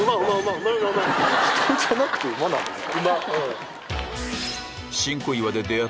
人じゃなくて馬なんですね。